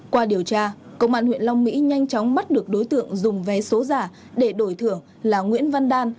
qua điều tra công an huyện long mỹ nhanh chóng bắt được đối tượng dùng vé số giả để đổi thưởng là nguyễn văn đan